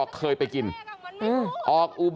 กลับไปลองกลับ